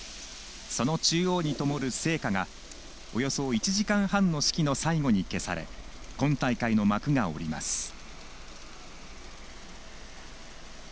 その中央にともる聖火がおよそ１時間半の式の最後に消され今大会の幕が下ります。